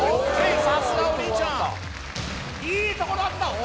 さすがお兄ちゃんいいとこだったＯＫ